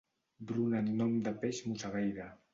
Bruna amb nom de peix mossegaire.